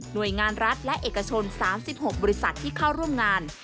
โดยงานรัฐและเอกชน๓๖บริษัทที่เข้าร่วมงาน